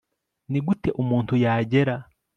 ni gute umuntu yagera